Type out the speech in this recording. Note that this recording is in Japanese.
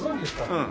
うん。